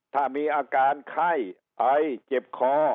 ถ้ามีอาการไข้ไอเจ็บคอ